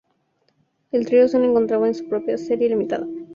El trío son encontrados en su propia serie limitada.